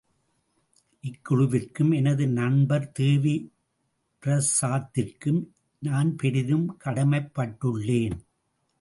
இக்குழுவிற்கும், எனது நண்பர் தேவி பிரஸாத்திற்கும் நான் பெரிதும் கடமைப் பட்டுள்ளேன்.